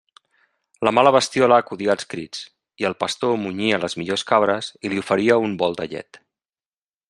La mala bestiola acudia als crits, i el pastor munyia les millors cabres i li oferia un bol de llet.